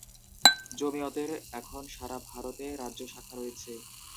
জমিয়তের এখন সারা ভারতে রাজ্য শাখা রয়েছে।